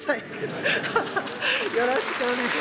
ハハッよろしくお願いします。